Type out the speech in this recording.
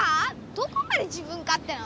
どこまで自分かっ手なの？